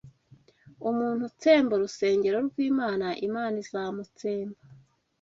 Umuntu utsemba urusengero rw’Imana, Imana izamutsemba